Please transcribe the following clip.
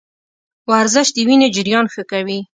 ورزش د وینې جریان ښه کوي.